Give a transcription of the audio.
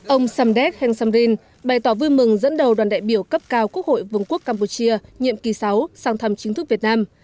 ông samdek heng samrin bày tỏ vui mừng dẫn đầu đoàn đại biểu cấp cao quốc hội vương quốc campuchia nhiệm kỳ sáu sang thăm chính thức việt nam